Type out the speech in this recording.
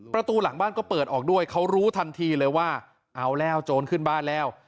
ประตูหลังบ้านก็เปิดออกด้วยเขารู้ทันทีเลยว่าเอาแล้วโจรขึ้นบ้านแล้ว